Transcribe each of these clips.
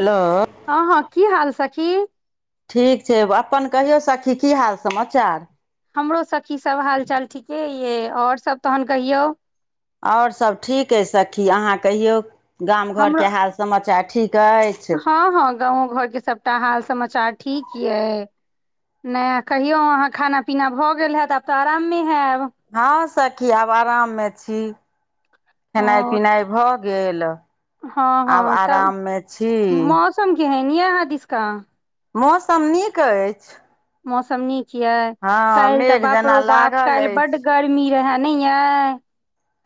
Hello! हँ, हँ, की हाल सखी। ठीक छै, अपन कहियौ सखी! की हाल समाचार। हमरो सखी सब हाल चाल ठीके ये, आओर सब तहन कहियौ। और सब ठीक अ सखी, अहाँ कहियौ, गाम घर हमरो के हाल समाचार ठीक आई। हँ, हँ, गाँव घर के सबटा हाल समाचार ठीक ये नया कहियौ, अहाँ खाना पीना भऽ गेल हैत आब, तऽ आराममे हयब। हँं सखी, आब आराममे छी। खेनाइ- ओ पिनाइ भऽ गेल, हँ आब आराम मे छी। मोसम केहन अय अहाँ दिस का मौसम नीक अछि। मौसम नीक ये, हँ काइल तऽ मेघ बाप जेना रो बाप लागल कालइ बड गर अछि गर्मी रहै नै य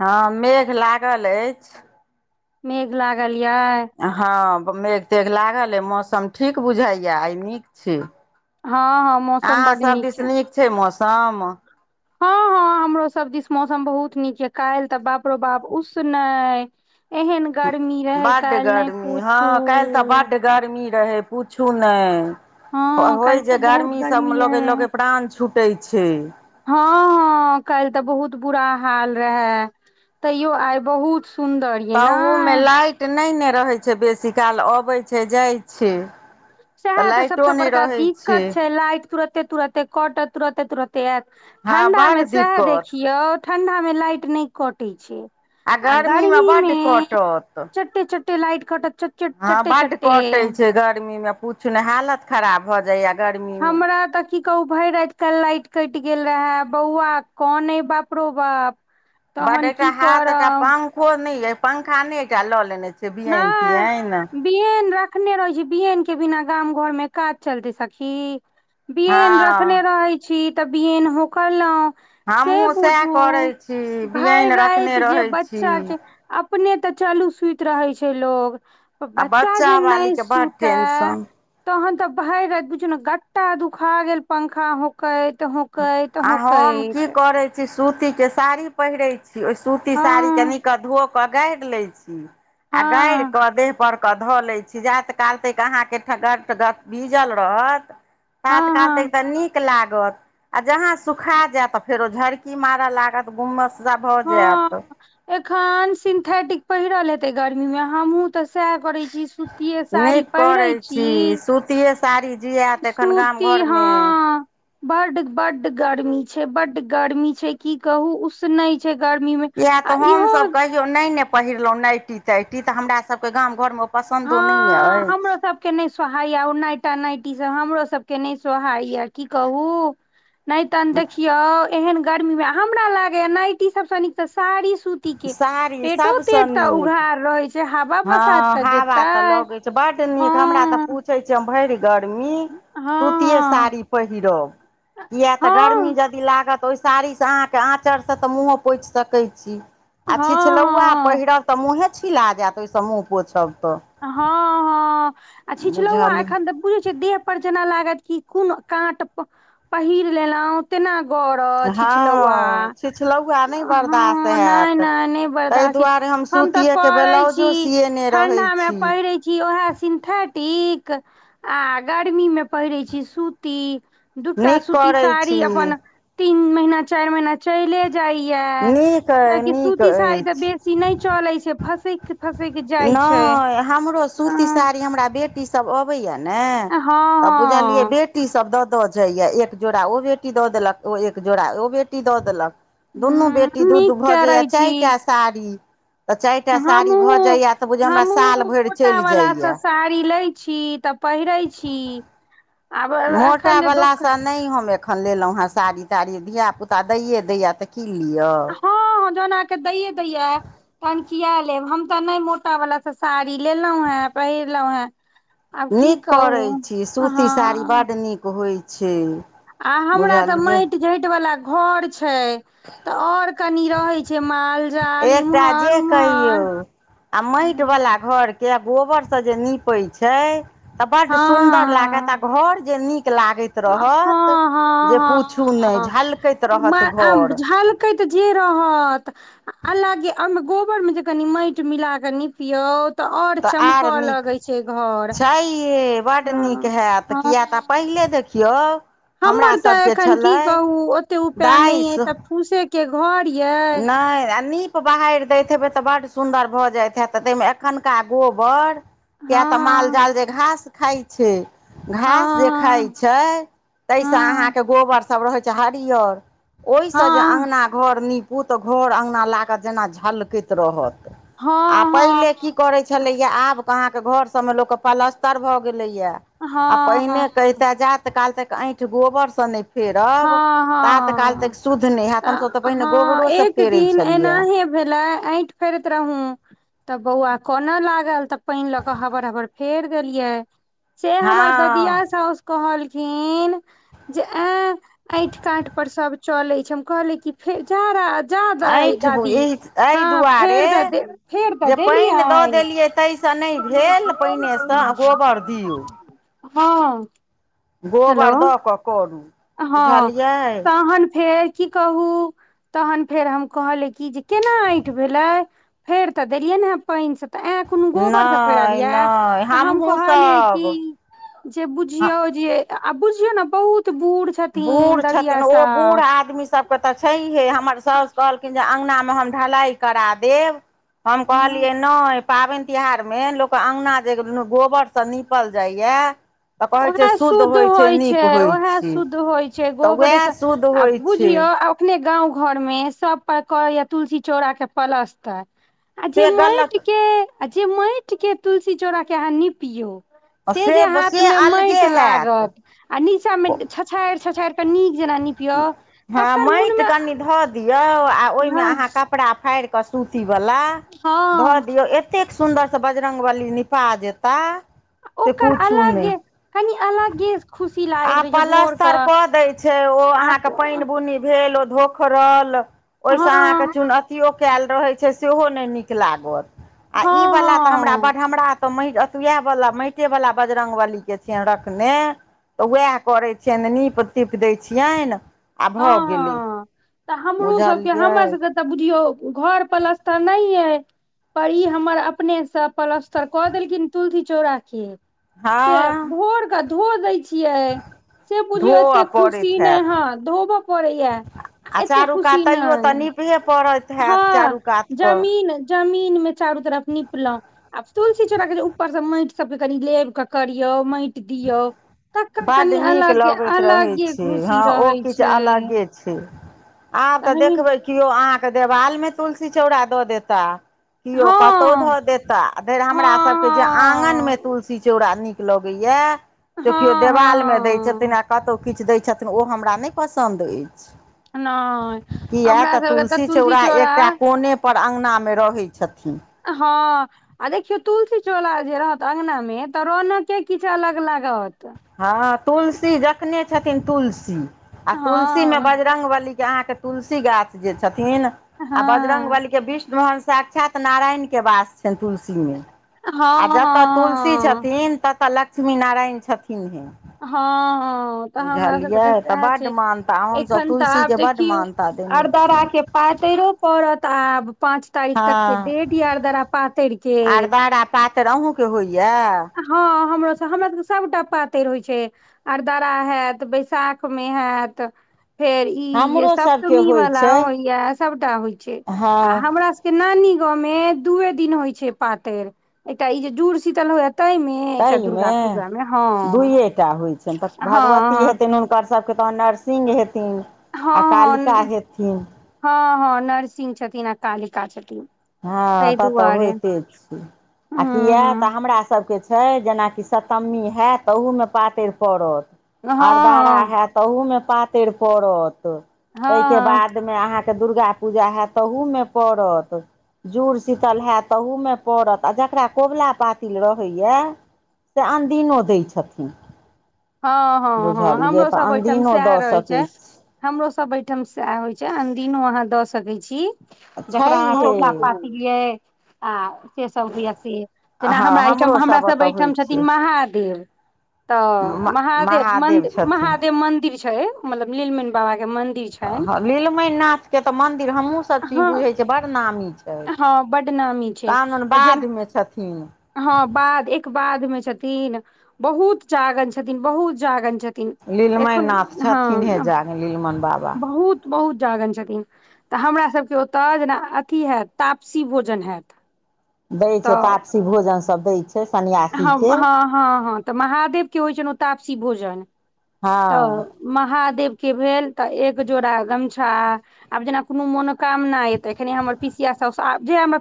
हँ मेघ लागल अछि। मेघ लागल ये। हँ मेघ- तेघ लागल अइ, मौसम ठीक बुझाइया आइ नीक छै। हँ हँ मौसम अहाँ बड्ड सभ दिस नीक छै मौसम? हँ, हँ। ह हमरो सब दिस मौसम बहुत नीक ये, काल्हि तऽ बाप रो बाप उसनै। एहन गर्मी रहे बड्ड काइल नहि गर्मी पूछू हँ काल्हि तऽ बड्ड गर्मी रहै पूछू नहि। हँ काल्हि होय तऽ जे बहुत गर्मी सभमे लगे रहै -लगे प्राण छूटैत छै। हँ, अ कइल तऽ बहुत बुरा हाल रहे। तैयो आई बहुत सुंदर य। ताहूमे लाइट नहि ने रहैत छै बेसी काल, अबैत छै जाइ छै। सएह तऽ लाइटो सबसे नहि बड़का रहै दिक्कत छै, लाइट तुरते-तुरते कटत तुरते-तुरते। त एत हँ ठंडा मे बड़ सएह दिक्कत देखियौ ठंडा मे लाइट नहि कटै छै। आ गर्मीमे गर्मी मे बड्ड कटत चटे -चटे लाइट कटत, चो हँ बड कटे छै गर्मी मे, पूछू ने हालत खराब भऽ जाइया। हमरा तऽ की कहू भैर राएत काएल लाइट कैट गेल रेहाए, बौअवा कानै बाप रो बाप। बड तहन एकटा की हाथ एकटा करब पंखो नै या पंखा नै एकटा ल लेने छी। नै। बिएन रखने रहै छी, बिएन के बिना गाम घर मे काज चलतै सखी। बिएन रखने हँ रहै छी तऽ बिएन होकलौ। से हमहूँ सएह बुझू करै छी भैर बियैन रखने राएत जे रहै छी बच्चा के अपने तऽ चलु सुत रहै छै लोग। आ बच्चा जे नै बच्चावालीके बड्ड सूताए टेंशन तहन तऽ भैर राएत बुझू नै गट्टा दुखा गेल पंखा हो कैत होकैत होकैत। ची सूती के साड़ी पहिरे छी, ओय सूती हँ साड़ी के नीक कऽ धो क गाएर लै छी आ गाएर हँ क देह पर कऽ धऽ लै छी, जाएत काल तेक अहाँके ठ गत-गत भीजल रहत तात हँ काल हँ तेक तऽ नीक लागत। आ जहाँ सुखा जाएत फेरो झरकी मारा लागत, गुम्मस सा भऽ जाएत। हँ एखन सिंथेटिक पहिरल हेतै गर्मी मे हमु ते साएह करे छी। सूतिये साड़ी पहिरे छी। सुतिये साड़ी जिआएत एखन गाम घरमे। बड, बड गर्मी छै, बड गर्मी छै की कहु उस उसनै छै गर्मी मे इएह तऽ आ इहो हमसभ कहियो नै ने पहिरलौ नायटी तायटी तऽ हमरा सबके गाम घर मे पसन्दो नै ने एछ। के नै सोहाय या उ नायटा-नायटी सब, हमरो सबके नै सोहाय या की कहु। नै तहन देखियो एहन गर्मी मे हमरा लागैया नायटी सबसे नीक त साड़ी सूती के, साड़ी सभसँ पेटो-तेट तऽ नीक उघार रहे छै, हवा बसात हँ तऽ जे हवा तऽ लगै छै बड नीक हमरा तऽ पूछे छै हम भैर गर्मी सुतिये हँ हँ साड़ी पहिरब किया तऽ गर्मी हँ जदि लागत ओय साड़ी से अहाँ के आंचर से तऽ मुहो पोएछ सकै छी आ छिछलौवा हँ पहिरब तऽ मुँहे छिला जाएत ओय से मुँह पोछब तऽ। हां-हां आ छिछलौवा बुझली एखन तऽ उ जे छै देह पर जेना लागत की कुन कांट प पहिर लेलौ तेना गर त हँ छिछलौवा छिछलौआ नहि बर्दाश्त हां नै हैत नै नै ताहि बरदास या। दुआरे हम तऽ सूतिएके करै छी ब्लाउजो सियेने रहै ठण्डामे छी पहिरै छी उहाए सिन्थेटिक। आ गर्मी मे पहिरे छी सूती, दूटा नीक सूती करै छी साड़ी अपन तीन महीना, चाएर महीना चले जाय या नीक अइ कियाकि नीक सूती साड़ी तऽ बे अछि सी नै चलै छै, फसैक-फसैक जाय छै। नहि हमरो अ सूती हँ साड़ी हमरा बेटी सब अबैया नै तऽ बुझलियै हँ बे टी सब दऽ दऽ जायया, एक जोड़ा ओ बेटी दऽ देलक ओ एक जोड़ा ओ बेटी दऽ देलक। ह दुनू बेटी दू-दू नीक भऽ करै जायया छी चाएरटा साड़ी तऽ चाएरटा साड़ी भऽ उ जाइए तऽ बुझियौ हमरा हमु साल भरि मोटा चलि वाला से जाइए साड़ी लै छी तऽ पहिरै छी। आब मोटा एखन जे बला दोक सन नै हम एखन लेलौ हेँ साड़ी-ताड़ी धिया पुता दैेये दैया तऽ की लियो। हां-हां जहन अहाँ के दैेये दैया, तहन किया लेब हम ते नै मोटा वला से साड़ी लेलौ हैं, पहिरलौ हैं। नीक करै छी, सूती साड़ी हँ बड नीक होय छै। आ हमरा तऽ बुझलियै मेएट-झेएट वला घर छै तऽ और कनी रहै छै माल जाल एकटा इम्हर जे कहियौ उम्हर आ मेएट हँ बला घर के गोबर से जे नीपे छै तऽ बड सुंदर लागत त घर जे नीक लागै आ हां हां हां नहि हां झलकैत मे रहत आ घर झल कैत जे रहत आ अलग ओय मे गोबर मे जे कनि मेएट मिला कऽ नीपयौ तऽ आर नीक छै ये, बड्ड नीक हँ हाएत हँ किया तऽ पहिले देखयौ हमरा हमर तऽ सबके एखन की छलै कहू ओते उपाय नहि दाइस अइ तऽ फूसे के घर या। नै आ नीप क बहाएर दैत हेबै तऽ बड सुन्दर भऽ जाएत हाएत तै मे एखनका गोबर किया तऽ हँ माल-जाल जे घास खाय छै, घास जे खाय हँ छै तै से हँ अहाँके गोबर सब रहै छै हरियर। ओय से जे हँ अंगना घर नीपू तऽ घर अंगना लागत जेना झलकैत रहत। आ हँ हँ पहले की करै छलैया, आब अहाँ के घर सब मे लोक के पलस्तर भऽ गेलैया हँ आ हँ पहिने कै त जात काल तक ऐठ गोबर से नै फेरब हँ तात काल हँ तेक शुद्ध नै हाएत, हम सब तऽ पहिने हँ गोबरो से एक फेरे दिन छलियै। एनाहे भेलै ऐठ फेरैत रहु। त बौअवा कोना लागल तऽ पेएन लऽ कऽ हबर-हबर फेर देलियै। से हमर ददिया हँ सोस कहलखिन जे एं ऐंठ काँठ पर सब चलै छै, हम कहलिये कि फे जारा जादा इ ऐँठ दादी एहि हां दुआरे फेर त दे फेर जे पेएन दऽ देलियै तै से नै भेल, पेएने से अ गोबर दियौ। हां। गोबर दऽ कऽ करू। हां बुझलियै तहन फेर की कहु तहन फेर हम कहलिये कि जे केना ऐंठ भेलै। फेर तऽ देलियै ने हे पेएन से तऽ एं कुनू गोबर से नहि फैरलिये नहि तऽ हम कहलियै हमहूँसभ कि जे बुझयो जे ए आ बुझियौ ना बहुत बुढ़ बूढ़ छथिन ओ बूढ़ आदमी सबके तऽ छैहिये, हमर सॉस कहल खिन जे अंगना मे हम ढलाई करा देब। हम कहलियै नै पाबैन तिहार मे लोक अंगना जे गोबर स नीपल जायया। उहाए शुद्ध होय छै, होइ उहाए छै शुद्ध होय छै तऽ गोबरे उएह से शुद्ध आ होइ छै बुझयौ आ अखने गांव घर मे सब पर करैया तुलसी चौड़ा के प्लस्तर आ जे से मेएट गलत के आ जे मेएट के तुलसी चौड़ा के अहाँ नीपयौ आ से बस मे मेएट लागत आ नीचा मे छछाएड़-छछाएड़ के नीक जेना नी हां मेएट कनि ध दियौ आ ओय मे हँ अहाँ कपड़ा फाएड़ कऽ सूती वला धऽ हँ दियौ ए एतेक सुन्दर से बजरंगबली निपा जेता से ओकर पुछू नै। अलगे कनि अलगे खुशी आ लागैत रहे छै भोर क प्लस्तर कऽ दै छै ओ आब अहाँके पेएन बुनी भेल ओ धो उखड़ल ओय हँ से अहाँके हँ चुन अथियो काएल रहै छै सेहो नै नीक लागत। आ ई वला तऽ हमरा हँ बड हमरा तऽ मे अ इहाए वला मेएटे वला बजरंगबली के छै। थिन रखने तऽ वाएह करै छियेन नीप-तीप दै छियेन। हां-हां तऽ हमरो सबके, हमर बुझलियै सबके तऽ बुझियौ घर प्लस्तर नहिये पर ई हमर अपने से प्लस्तर कऽ देलखिन तुलसी चौड़ा के। के हँ भोर के धो दै छी। टिए से बुझयौ धोअ एते पड़ैत खुशी नै हैत हाँ। धोबा पड़े या आ एते चारू कात खुशी नै तैयो तऽ नीपहे पड़ैत हैत हाँ चारू कात कऽ जमी इन जमीन मे चारू तरफ नीपलौ आ तुलसी चौड़ा के जे ऊपर से मेएट सब के कनि लेब के करियौ मै दियौ तकर बड्ड कनि नीक अलग लगैत रहै अलगे खुशी हँ ओ रहै छै, किछु अलगे छै आब तऽ तहमे देखबै कि कियो अहाँके देवाल मे तुलसी चौड़ा दऽ देता। कियो कतौ हँ धऽ देता फेर हमरा सबके जे आँगन मे हँ तुलसी चौड़ा नीक लगै या हँ त कियो हँ देवालमे दै छ थिन हँ आ कतौ किछ दै छथिन ओ हमरा नै पसन्द एछ। नहि किया हमरा तऽ सबके तुलसी चौड़ा चौरा एकटा कोने पर अँगनामे रहै छथि। हां। आ देखियौ तुलसी चोला जे रहत अंगना मे तऽ रौनके किछ अलग लागत। हां तुलसी जखने छथिन तुलसी आ तुलसी में हँ बजरंगबली के अहाँ के तुलसी गाछ जे छथिन हँ आ हँ बजरंगबली के विष्ण भगवान साक्षात त नारायण के वास छैन तुलसी मे आ जता तुलसी हँ छथिन तता ल लक्ष्मी नारायण छथिन ही। हां-हां। उ त हमरा सबके तऽ साएह बड्ड छै, मानता हमसभ एखन तऽ आब तुलसीके बड्ड देखियौ मानता देने अरदरा छियनि के पातैरो पड़त आब पाँच तारीख तक के हँ डेट या अरदरा पातैर के। पातैर अहूँ के होयया। हां हमरो स हमरा सबके सबटा पातैर होय छै। अरदरा हाएत बैशाखमे हाएत फेर ई जे हमरो सभके सप्तमी होइ वाला छै होयया सबटा होय छै आ हँ हमरा से ई नानी गांव मे दूए दिन होय छै पातैर, एकटा ई जे जूड़ शीतल होयया तै मे तै एकटा मे दुर्गा पूजा मे हँ दुयेटा होय छैन तऽ हँ भगवती हँ हेतै हुनकर सबके तहन नरसिंह हेथिन आ कालिका हेथिन। हां हां नरसिंह छथिन आ कालिका छथिन। हां ताहि त तऽ दुआरे होएते छी आ हूँ कियाए तऽ हूँ हमरा सबके छै जनाकि सप्तमी हाएत त ओहूमे पातैर पड़त, हँ अरदारा हँ हाएत तहु मे पातैर पड़त तै के हँ बाद मे अहाँके दुर्गा पूजा हाएत तहूमे पड़त। जुड़ शीतल हाएत तहूमे पड़त आ जकरा कोबला पातिल रहैया। से अनदिनो दै छथिन। हां हां हां बुझलियै हमरो तऽ सब ओयठम अनदिनो साएह दऽ रहै छै। सकै छी हमरो सब ओहि ठाम सैह होइ छै अनदिनो अहाँ दऽ सकै छी छै जेकरा ये कोबला पाति यै आ से सब दैयै से जेना हँ हमरा एहिठाम हमरो सब हमरासब ओतऽ होइ एहिठाम छै छथिन महादेव तऽ महादेव मंदी महादेव मंदिर छै मतलब नीलमनि बाबा के मंदिर छनि नीलमनिनाथके तऽ मन्दिर हमहूँसभ ची हँ बुझै छियै बड़ नामी छै हँ बड नामी छै कहाॅंदन तऽ जेना बाधमे छथिन हँ बाध एक बाध में छथिन बहुत जागंत छथिन बहुत जागंत छथिन थिन लीलमणि एखुन नाथ छथिन हे हँ जाग लीलमन बाबा बहुत बहुत जागंत छथिन हमरासभके ओतऽ जेना अथी हैत तापसी भोजन हैत दै छै तऽ तापसी भोजन सब दै छै सनिया हम हँ हँ हँ त महादेव के होइ छनि ओ तापसी भोजन हँ त महादेव के भेल त एक जोड़ा गमछा आब जेना कोनो मोनोकामना यै त एखने हमर पीसिया साउस आब जे हमर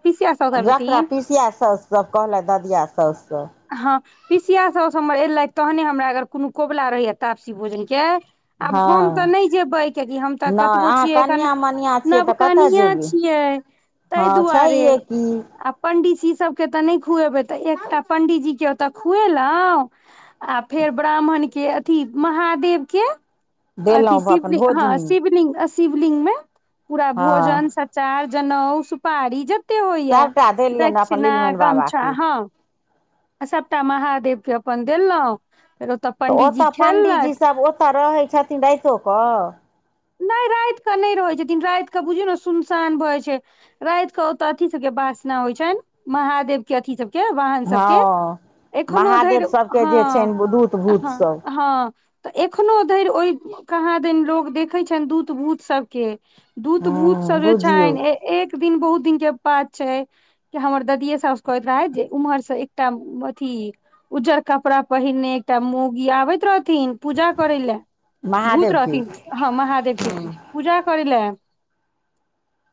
जकरा पीसिया साउस सब कहलथि ददिया साउस सभ हँ पीसिया सउस हमर ऐलथि तहने हमरा अगर कोनो कोबला रहैया तापसी भोजनके आब हम हँ त नहि जेबै कियाकि हम त नहि कतबो अहाँ छियै एखन कनिया मनिया छियै तऽ कतऽ नवकनिया जेबै छियै ताहि हँ दुआरे छैहे की। आ पंडीजी सबके त नहि खुएबै त एकटा पंडीजी के ओतऽ खुएलहुँ आ फेर ब्राह्मण के अथी महादेव के अथी देलहुँ अपन शिवली हँ भोजनी शिवलिंग अस् शिवलिंग मे पूरा भोजन, हँ सचार, जनउ, सुपारी जे ते होइयै सभटा देलियनि अपन दक्षिणा, नीलमणि गमछा बाबाके हँ आ सबटा महादेव के अपन देलहुँं फेर ओतऽ त पंडीजी ओतऽ पंण्डीजी खेललथि सब ओतऽ रहै छथिन रैतो कऽ? नहि राति क नहि रहै छथिन राति क बुझियौ ने सुनसान भ जाय छै राति क ओतऽ अथी सबके बासना होइ छनि महादेव के अथी सभके वाहन सभके हँ एखनो महादेव धरि सभके जे हँ छनि दूत भूत हँ सभ हँ एखनो धरि ओहि कहाँदैन लोग देखै छनि दूत भूत सभके दूत भूत हँ सब जे बुझियौ छनि ए एक दिन बहुत दिन के बात छै कि हमर ददिये साउस कहैत रहथि जे उम्हरसँ एकटा अथी उज्जर कपड़ा पहिरने एकटा मौगी आबैत रहथिन पूजा करै ले भूत महादेवके रहथिन हँ महादेव के हँ पूजा करै ले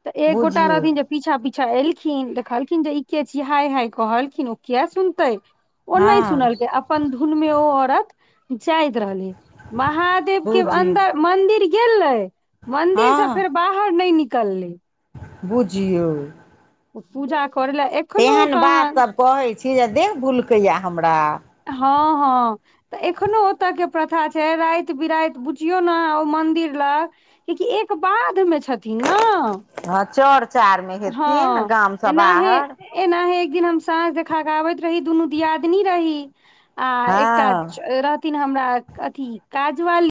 त एक गोटा बुझियौ रहथिन जे पीछा पीछा एलखिन देखलखिन जे ई के छी हाय हाय कहलखिन ओ किया सुनतै ओ नहि हँ सुनलकै अपन धुन मे ओ औरत जाइत रहलै महादेव के बुझियौ अन्दर मन्दिर गेलै मन्दिर स हँ फेर बाहर नहि निकललै। बुझियौ ओ पूजा करैले ए तेहन बात सभ कहै छी जे देह भुलकैया हमरा हँ हँ त एखनो ओत के प्रथा छै जे राति बिराति बुझियौ ने ओ मन्दिर लग कियेकि एक बाध मे छथिन ना हँ चौर चार मे हेथिन गामसँ एनाहे बाहर एनाहे एक दिन हम साँझ देखा क आबैत रही दुन्नु दियादनी रही आ एकटा हँ रहथिन हमरा अथि काजवाली